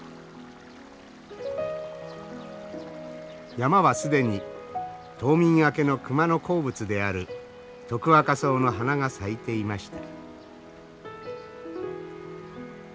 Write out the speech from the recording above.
山は既に冬眠明けの熊の好物であるトクワカソウの花が咲いていました。